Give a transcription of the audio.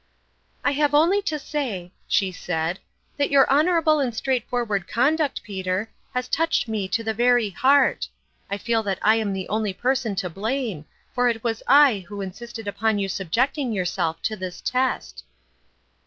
" I have only to say," she said, " that your honorable and straightforward conduct, Peter, has touched me to the very heart. I feel that I am the only person to blame, for it was I who insisted upon you subjecting yourself to this test."